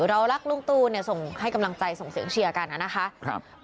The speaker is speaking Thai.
เรารักลุงตูเนี่ยส่งให้กำลังใจส่งเสียงเชียร์กันนะคะ